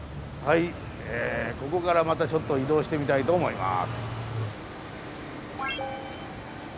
ここからまたちょっと移動してみたいと思います。